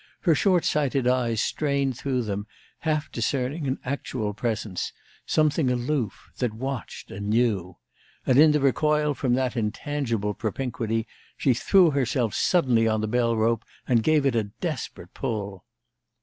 Her short sighted eyes strained through them, half discerning an actual presence, something aloof, that watched and knew; and in the recoil from that intangible propinquity she threw herself suddenly on the bell rope and gave it a desperate pull.